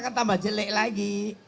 kan tambah jelek lagi